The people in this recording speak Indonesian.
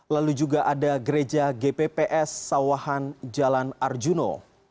lalu juga ada gereja gpps sawahan jalan arjuna